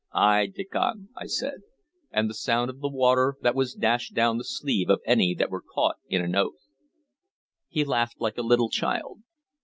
"Ay, Diccon," I said. "And the sound of the water that was dashed down the sleeve of any that were caught in an oath." He laughed like a little child.